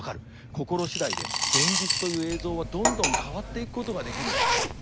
心次第で現実という映像はどんどん変わっていくことができるんだ。